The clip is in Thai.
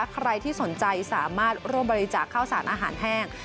ใครที่สนใจสามารถร่วมบริจาคข้าวสารอาหารแห้ง